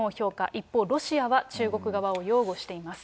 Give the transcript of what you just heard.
一方、ロシアは中国側を擁護しています。